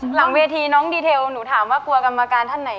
หลังเวทีน้องดีเทลหนูถามว่ากลัวกรรมการท่านไหน